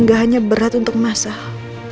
gak hanya berat untuk mas al